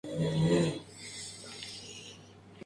Su cabecera es el distrito de Curridabat, con categoría de ciudad.